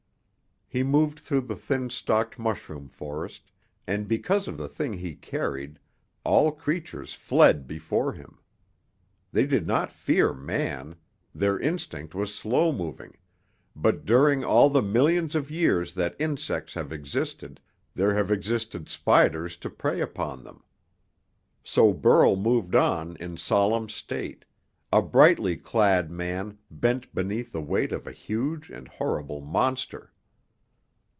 He moved through the thin stalked mushroom forest, and, because of the thing he carried, all creatures fled before him. They did not fear man their instinct was slow moving but during all the millions of years that insects have existed, there have existed spiders to prey upon them. So Burl moved on in solemn state, a brightly clad man bent beneath the weight of a huge and horrible monster.